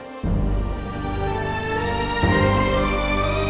aku mau pergi ke rumah